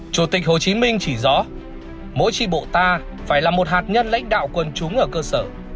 chủ tịch hồ chí minh chỉ rõ mỗi tri bộ ta phải là một hạt nhân lãnh đạo quân chúng ở cơ sở